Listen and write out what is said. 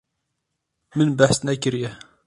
Min behs nekiriye.